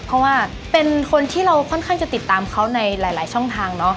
เพราะว่าเป็นคนที่เราค่อนข้างจะติดตามเขาในหลายช่องทางเนาะ